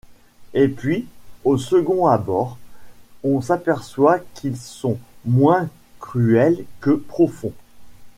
Et puis, au second abord, on s'aperçoit qu'ils sont moins cruels que profonds.